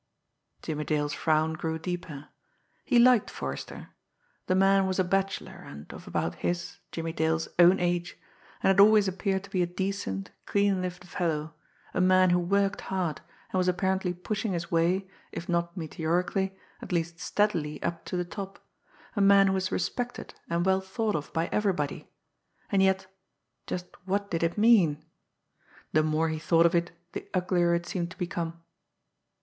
Jimmie Dale's frown grew deeper. He liked Forrester The man was a bachelor and of about his, Jimmie Dale's, own age, and had always appeared to be a decent, clean lived fellow, a man who worked hard, and was apparently pushing his way, if not meteorically, at least steadily up to the top, a man who was respected and well thought of by everybody and yet just what did it mean? The more he thought of it, the uglier it seemed to become.